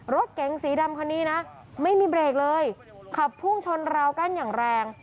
รถเก๋งสีดำคันนี้นะไม่มีเบรกเลยขับพุ่งชนราวกั้นอย่างแรง